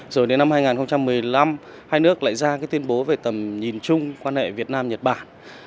rồi đến năm hai nghìn một mươi năm hai nước lại ra cái tuyên bố về tầm nhìn chung quan hệ việt nam nhật bản